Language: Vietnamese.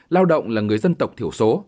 lao động là người dân tộc thiểu số